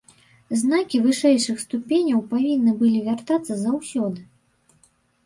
Знакі вышэйшых ступеняў павінны былі вяртацца заўсёды.